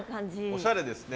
おしゃれですね！